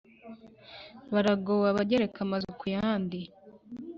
Baragowe! Abagereka amazu ku yandi,